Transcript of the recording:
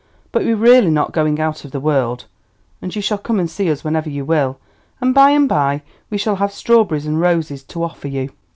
But we're really not going out of the world, and you shall come and see us whenever you will, and bye and bye we shall have strawberries and roses to offer you."